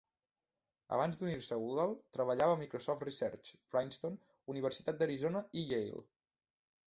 Abans d"unir-se a Google, treballava a Microsoft Research, Princeton, Universitat d"Arizona i Yale.